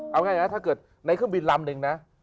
เอาง่ายนะถ้าเกิดในเครื่องบินลำนึงนะ